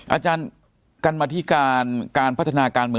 อาจารย์กรรมธิการการพัฒนาการเมือง